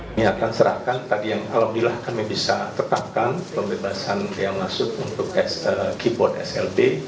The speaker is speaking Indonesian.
kami akan serahkan tadi yang alhamdulillah kami bisa tetapkan pembebasan yang masuk untuk keyboard slb